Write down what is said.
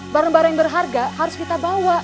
barang barang yang berharga harus kita bawa